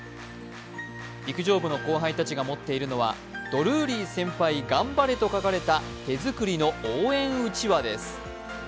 陸上部の後輩たちが持っているのは「ドルーリー先輩頑張れ」と書かれた応援うちわです。